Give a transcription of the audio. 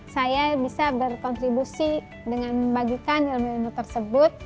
saya bisa berkontribusi dengan membagikan ilmu ilmu tersebut